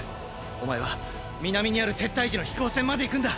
お前は南にある撤退時の飛行船まで行くんだ！